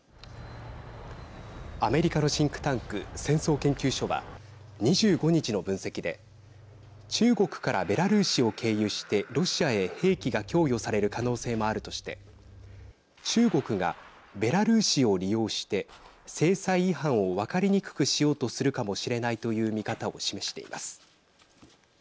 アメリカのシンクタンク戦争研究所は２５日の分析で中国からベラルーシを経由してロシアへ兵器が供与される可能性もあるとして中国がベラルーシを利用して制裁違反を分かりにくくしようとするかもしれないという見方を示しています。